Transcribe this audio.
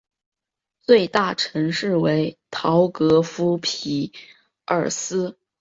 最大城市为陶格夫匹尔斯。